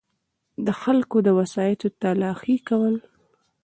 دخلګو او وسایطو تلاښي کول